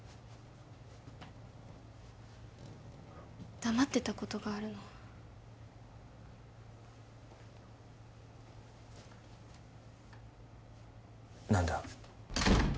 黙ってたことがあるの何だ？